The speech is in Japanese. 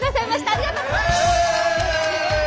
ありがとうございます。